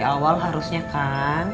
gara gara lu berhubungan sama si andri